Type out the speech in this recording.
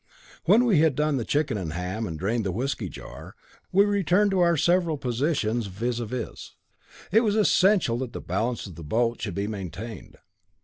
When we had done the chicken and ham, and drained the whisky jar, we returned to our several positions vis à vis. It was essential that the balance of the boat should be maintained.